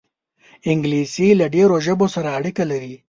انګلیسي له ډېرو ژبو سره اړیکه لري